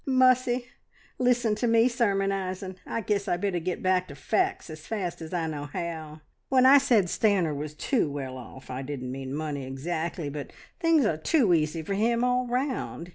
"Mussy! Listen to me sermonising. I guess I'd better get back to facts as fast as I know how. ... When I said Stanor was too well off, I didn't mean money exactly, but things are too easy for him all round.